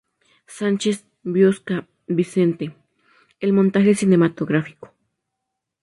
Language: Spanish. Sánchez-Biosca, Vicente: "El montaje cinematográfico.